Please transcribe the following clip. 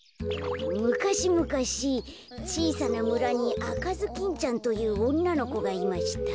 むかしむかしちいさなむらにあかずきんちゃんというおんなのこがいました。